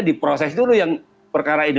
diproses dulu yang perkara ini